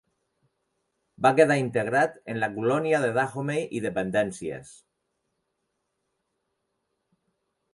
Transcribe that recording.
Va quedar integrat en la colònia de Dahomey i dependències.